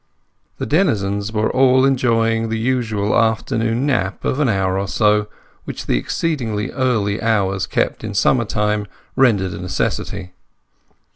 The denizens were all enjoying the usual afternoon nap of an hour or so which the exceedingly early hours kept in summer time rendered a necessity.